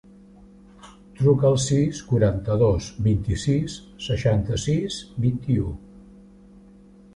Truca al sis, quaranta-dos, vint-i-sis, seixanta-sis, vint-i-u.